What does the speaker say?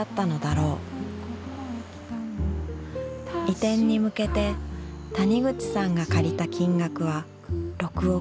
移転に向けて谷口さんが借りた金額は６億円。